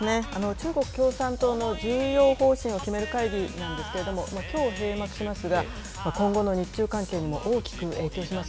中国共産党の重要方針を決める会議なんですけれども、きょう閉幕しますが、今後の日中関係にも大きく影響します。